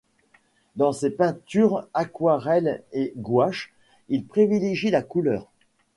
Dans ses peintures, aquarelles et gouaches, il privilégie la couleur.